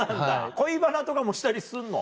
恋バナとかもしたりすんの？